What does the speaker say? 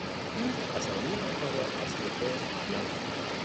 او اسامی آنها را از فهرست قلم زد.